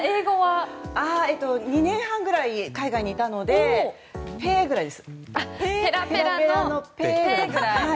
２年半ぐらい海外にいたのでペラペラのペぐらいです。